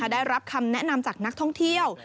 ได้รับคำแนะนำจากนักท่องเที่ยว